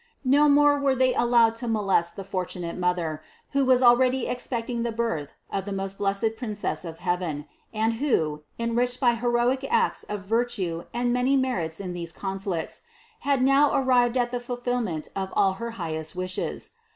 No more were they allowed to molest the fortunate mother, who was already expecting the birth of the most blessed Princess of heaven, and who, en riched by heroic acts of virtue and many merits in these conflicts, had now arrived at the fulfillment of all her highest wishes.